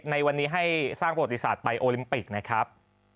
ในวันนี้ให้สร้างประวัติศาสตร์ไปโอลิมปิกนะครับ